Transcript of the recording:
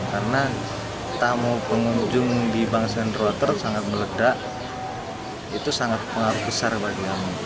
karena tamu pengunjung di bangsering underwater sangat meledak itu sangat pengaruh besar bagi kami